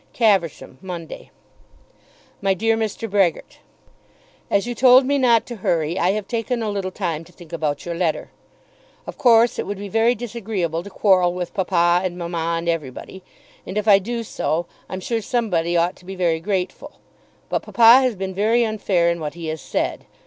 Caversham, Monday. MY DEAR MR. BREHGERT, As you told me not to hurry, I have taken a little time to think about your letter. Of course it would be very disagreeable to quarrel with papa and mamma and everybody. And if I do do so, I'm sure somebody ought to be very grateful. But papa has been very unfair in what he has said.